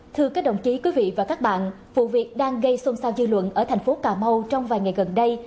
thưa các đồng chí quý vị và các bạn vụ việc đang gây xôn xao dư luận ở thành phố cà mau trong vài ngày gần đây